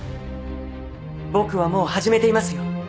僕はもう始めていますよ